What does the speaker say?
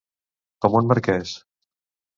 Com un marquès.